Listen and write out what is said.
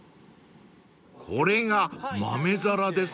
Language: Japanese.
［これが豆皿ですか］